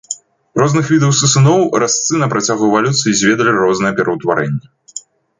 У розных відаў сысуноў разцы на працягу эвалюцыі зведалі розныя пераўтварэнні.